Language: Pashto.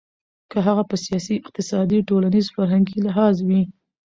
که هغه په سياسي، اقتصادي ،ټولنيز، فرهنګي لحاظ وي .